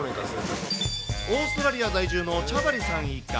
オーストラリア在住のチャバリさん一家。